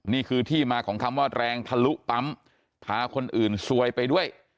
นี่คือที่มาของคำว่าแรงทะลุปั๊มพาคนอื่นซวยไปด้วย